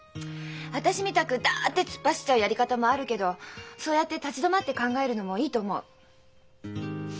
私みたくダッて突っ走っちゃうやり方もあるけどそうやって立ち止まって考えるのもいいと思う。